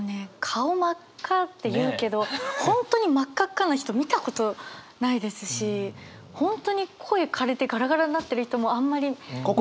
顔真っ赤っていうけど本当に真っ赤っかな人見たことないですし本当に声かれてガラガラになってる人もあんまり見ない。